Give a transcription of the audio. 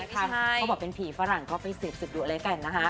เขาบอกเป็นผีฝรั่งก็ไปเสร็จดูอะไรกันนะฮะ